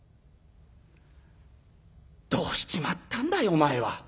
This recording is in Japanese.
「どうしちまったんだいお前は。